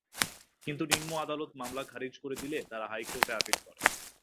কিন্তু নিম্ন আদালত মামলা খারিজ করে দিলে তাঁরা হাইকোর্টে আপিল করেন।